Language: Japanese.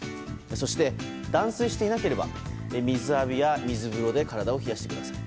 そして、断水していなければ水浴びや水風呂で体を冷やしてください。